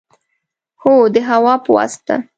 هو، د هوا په واسطه